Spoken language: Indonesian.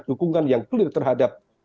dukungan yang clear terhadap